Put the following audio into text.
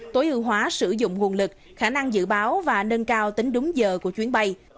tối ưu hóa sử dụng nguồn lực khả năng dự báo và nâng cao tính đúng giờ của chuyến bay